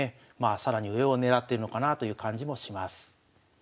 更に上を狙ってるのかなという感じもします。